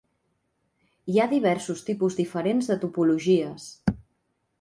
Hi ha diversos tipus diferents de topologies.